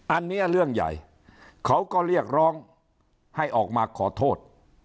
อันนี้เรื่องใหญ่เขาก็เรียกร้องให้ออกมาขอโทษ